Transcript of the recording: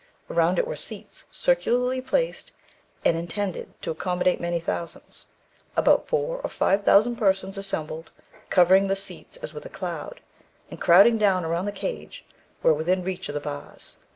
Around it were seats, circularly placed, and intended to accommodate many thousands. About four or five thousand persons assembled, covering the seats as with a Cloud, and crowding down around the cage, were within reach of the bars.